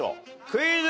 クイズ。